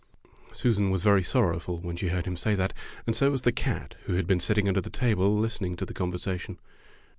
Susan was very sorrowful when she heard him say that, and so was the cat, who had been sitting under the table listening to the conversation.